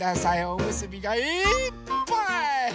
おむすびがいっぱい！